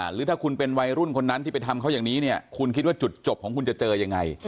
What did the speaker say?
หรือถ้าคุณเป็นวัยรุ่นคนนั้นที่ไปทำเขาอย่างนี้เนี่ยคุณคิดว่าจุดจบของคุณจะเจอยังไง